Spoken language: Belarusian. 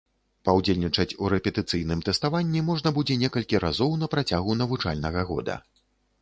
Паўдзельнічаць у рэпетыцыйным тэставанні можна будзе некалькі разоў на працягу навучальнага года.